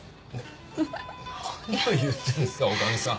ウフフ。何を言ってるんですか女将さん。